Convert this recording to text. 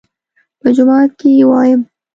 _په جومات کې يې وايم.